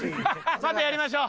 またやりましょう。